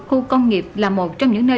khu công nghiệp là một trong những nơi